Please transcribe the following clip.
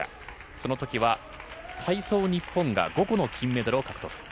そのときは体操日本が５個の金メダルを獲得。